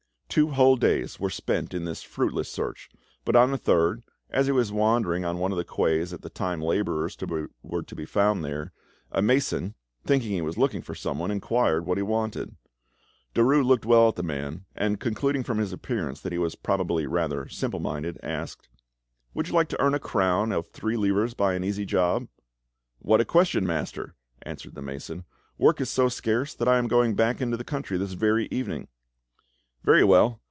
Two whole days were spent in this fruitless search, but on the third, as he was wandering on one of the quays at the time labourers were to be found there, a mason, thinking he was looking for someone, inquired what he wanted. Derues looked well at the man, and concluding from his appearance that he was probably rather simpleminded, asked— "Would you like to earn a crown of three livres by an easy job?" "What a question, master!" answered the mason. "Work is so scarce that I am going back into the country this very evening." "Very well!